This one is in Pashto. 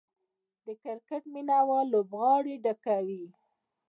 د کرکټ مینه وال لوبغالي ډکوي.